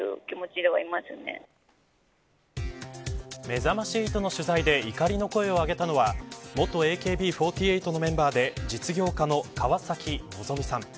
めざまし８の取材で怒りの声を上げたのは元ＡＫＢ４８のメンバーで実業家の川崎希さん。